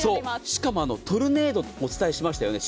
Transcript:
しかも、トルネードとお伝えしましたよね。